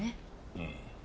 うん。